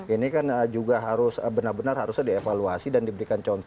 ini kan juga harus benar benar harusnya dievaluasi dan diberikan contoh